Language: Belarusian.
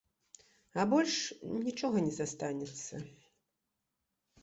А больш нічога не застанецца.